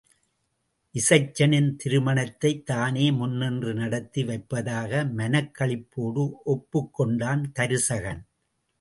இசைச்சனின் திருமணத்தைத் தானே முன்நின்று நடத்தி வைப்பதாக மனக் களிப்போடு ஒப்புக் கொண்டான் தருசகன்.